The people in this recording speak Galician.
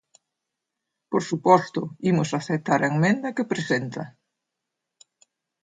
Por suposto, imos aceptar a emenda que presenta.